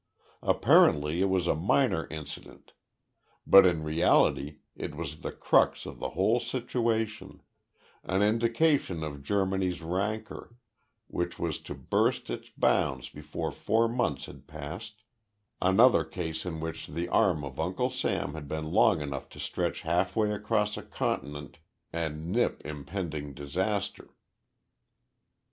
Apparently it was a minor incident but in reality it was the crux of the whole situation, an indication of Germany's rancor, which was to burst its bounds before four months had passed, another case in which the arm of Uncle Sam had been long enough to stretch halfway across a continent and nip impending disaster."